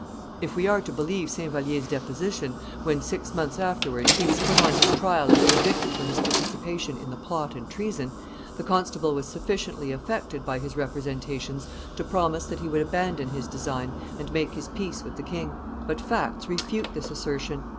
If we are to believe Saint Vallier's deposition, when, six months afterwards, he was put on his trial and convicted for his participation in the plot and treason, the constable was sufficiently affected by his representations to promise that he would abandon his design and make his peace with the king: but facts refute this assertion.